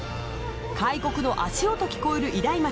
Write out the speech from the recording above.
開国の足音聞こえる偉大街